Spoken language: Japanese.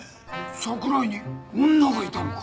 桜井に女がいたのか？